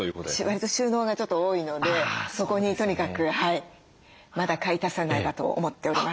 わりと収納がちょっと多いのでそこにとにかくまだ買い足さねばと思っております。